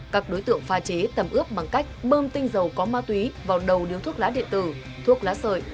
các đối tượng pha chế tầm ướp bằng cách bơm tinh dầu có ma túy vào đầu điếu thuốc lá điện tử thuốc lá sợi